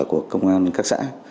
của công an các xã